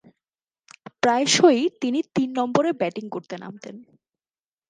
প্রায়শঃই তিনি তিন নম্বরে ব্যাটিং করতে নামতেন।